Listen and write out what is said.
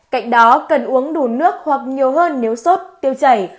cạnh đó cần uống đủ nước hoặc nhiều hơn nếu sốt tiêu chảy